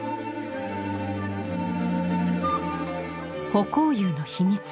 葆光釉の秘密。